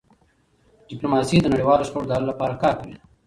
ډيپلوماسي د نړیوالو شخړو د حل لپاره کار کوي.